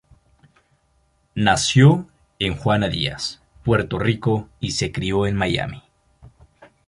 Nació en Juana Díaz, Puerto Rico y se crio en Miami.